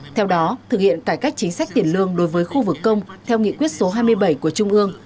theo đó thực hiện cải cách chính sách tiền lương đối với khu vực công theo nghị quyết số hai mươi bảy của trung ương